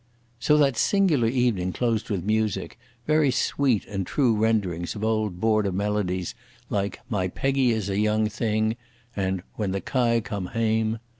So that singular evening closed with music—very sweet and true renderings of old Border melodies like "My Peggy is a young thing", and "When the kye come hame".